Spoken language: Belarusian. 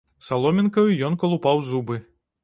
Саломінкаю ён калупаў зубы.